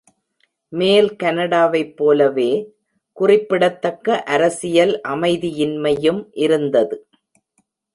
மேல் கனடாவைப் போலவே, குறிப்பிடத்தக்க அரசியல் அமைதியின்மையும் இருந்தது.